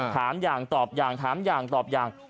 ถามอย่างตอบอย่างถามอย่างตอบอย่าง